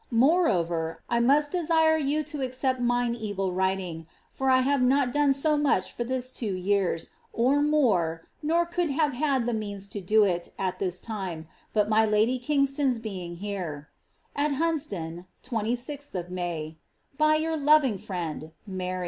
Moreover, I must desire you to ■oeept mine evil writing : for J have not done to much for Ihit two yrari, or more, mar eomld have had the meant to do it at thit hmf, but my lady Kingttont Mng hare. — At Uuusdon, 26th of May. " By your loving friend, "Mart."